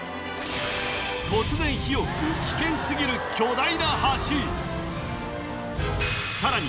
突然火を噴く危険すぎる巨大な橋さらに